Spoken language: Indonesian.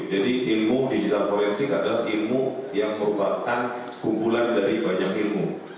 ilmu digital forensik adalah ilmu yang merupakan kumpulan dari banyak ilmu